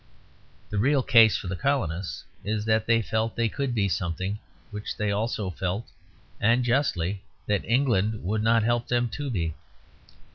The real case for the colonists is that they felt they could be something, which they also felt, and justly, that England would not help them to be.